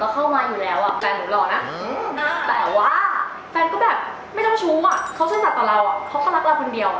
เขาชื่อสัตว์ต่อเราเขาก็รักเราคนเดียว